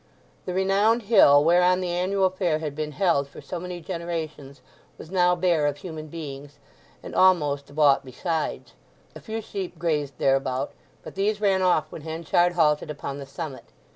The renowned hill whereon the annual fair had been held for so many generations was now bare of human beings, and almost of aught besides. A few sheep grazed thereabout, but these ran off when Henchard halted upon the summit.